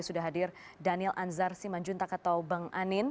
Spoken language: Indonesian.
sudah hadir daniel anzar simanjuntak atau bang anin